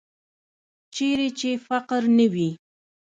چیرې چې فقر نه وي.